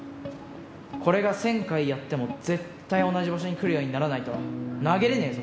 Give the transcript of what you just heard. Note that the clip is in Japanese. これが１０００回やっても絶対同じ場所に来るようにならないと、投げれねぇぞ。